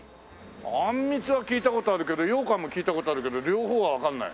あんみつは聞いた事あるけど羊かんも聞いた事あるけど両方はわかんない。